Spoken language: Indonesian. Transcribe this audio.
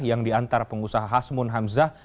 yang diantar pengusaha hasmun hamzah